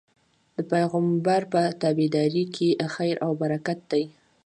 د پيغمبر په تابعدارۍ کي خير او برکت دی